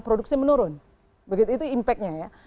produksi menurun begitu itu impactnya ya